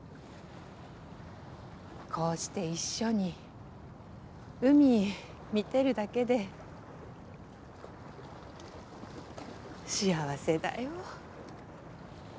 こうして一緒に海見てるだけで幸せだよ。